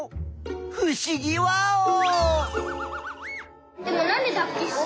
ふしぎワオー！